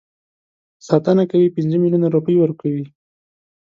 ساتنه کوي پنځه میلیونه روپۍ ورکوي.